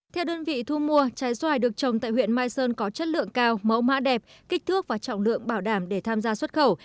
theo đơn vị thu mua trái xoài được trồng tại huyện mai sơn có chất lượng cao mẫu mã đẹp kích thước và trọng lượng bảo đảm để tham gia xuất khẩu